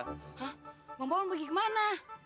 hah bang paul mau pergi kemana